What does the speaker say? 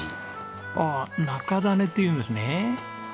ああ中種っていうんですね。